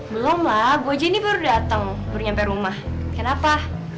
belum lah gua aja ini baru dateng baru nyampe rumah kenapa